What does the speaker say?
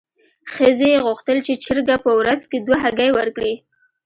ښځې غوښتل چې چرګه په ورځ کې دوه هګۍ ورکړي.